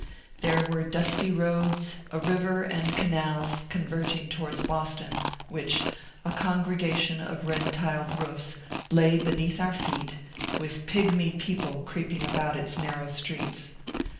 There were dusty roads, a river, and canals, converging towards Boston, which a congregation of red tiled roofs lay beneath our feet, with pygmy people creeping about its narrow streets.